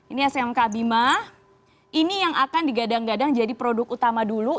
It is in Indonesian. ini smk bima ini yang akan digadang gadang jadi produk utama dulu